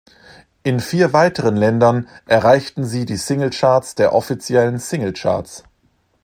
In vier weiteren Ländern erreichten sie die Single-Charts der offiziellen Single-Charts.